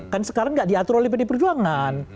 kan sekarang tidak diatur oleh pd perjuangan